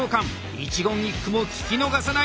一言一句も聞き逃さない